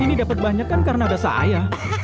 ini dapat banyak kan karena ada saya